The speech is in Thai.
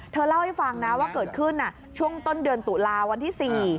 เธอเล่าให้ฟังนะว่าเกิดขึ้นช่วงต้นเดือนตุลาวันที่๔